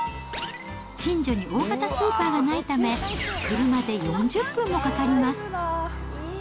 近所に大型スーパーがないため、車で４０分もかかります。